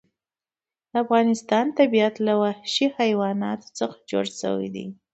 د افغانستان طبیعت له وحشي حیواناتو څخه جوړ شوی دی.